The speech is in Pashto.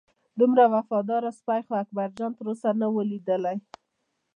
دومره وفاداره سپی خو اکبرجان تر اوسه نه و لیدلی.